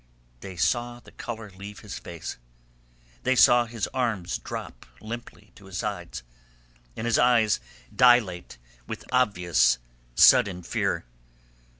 They saw the colour leave his face. They saw his arms drop limply to his sides, and his eyes dilate with obvious sudden fear.